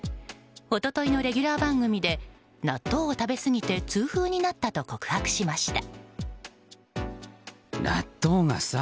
一昨日のレギュラー番組で納豆を食べすぎて痛風になったと告白しました。